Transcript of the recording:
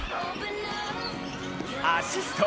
アシスト！